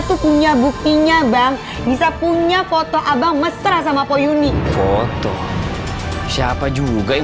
itu punya buktinya bang bisa punya foto abang mesra sama poyuni foto siapa juga yang